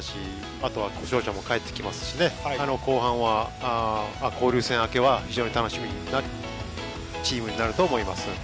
あとは故障者も帰ってきますし交流戦明けは非常に楽しみなチームになると思います。